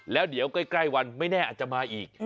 แล้วเดี๋ยวใกล้วันไม่แน่อาจจะมาอีก